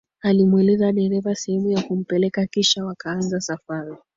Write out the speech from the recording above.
Alimweleza dereva sehemu ya kumpeleka kisha wakaanza safari